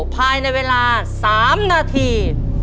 ภายในเวลา๓นาที